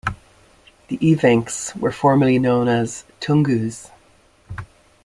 The Evenks were formerly known as "tungus".